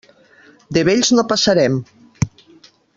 De vells no passarem.